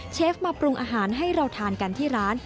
เชฟมาปรุงอาหารให้เราทานกันที่ร้าน